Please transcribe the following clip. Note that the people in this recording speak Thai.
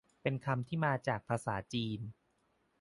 เป็นคำที่มาจากภาษาจีน